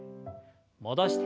戻して。